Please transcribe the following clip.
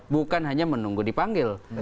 bukan hanya menunggu dipanggil